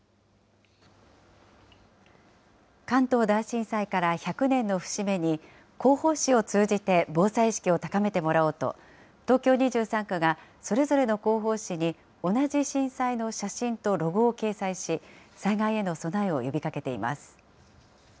関東大震災から１００年の節目に、広報誌を通じて防災意識を高めてもらおうと、東京２３区がそれぞれの広報誌に同じ震災の写真とロゴを掲載し、災害への備えを呼びかけています。